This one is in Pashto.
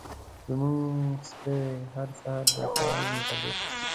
زمونږ سپی هر سهار د کاغذ مطالعه کوي.